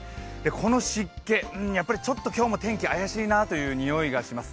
この湿気、やっぱり今日も天気怪しいなというにおいがします。